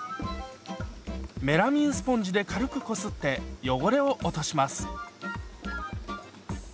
メラミンスポンジで軽くこすって汚れを落とします。